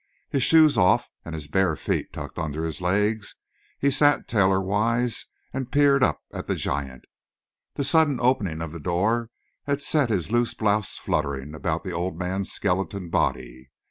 His shoes off, and his bare feet tucked under his legs, he sat tailorwise and peered up at the giant. The sudden opening of the door had set his loose blouse fluttering about the old man's skeleton body.